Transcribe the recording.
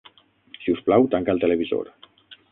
Si us plau, tanca el televisor.